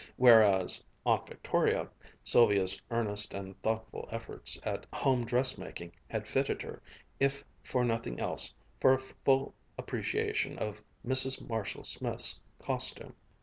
Whereas Aunt Victoria Sylvia's earnest and thoughtful efforts at home dressmaking had fitted her, if for nothing else, for a full appreciation of Mrs. Marshall Smith's costume.